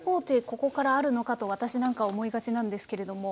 ここからあるのかと私なんか思いがちなんですけれども。